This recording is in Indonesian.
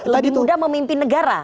lebih mudah memimpin negara